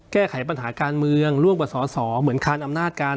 แก้ไขปัญหาการเมืองร่วมกับสอสอเหมือนคานอำนาจกัน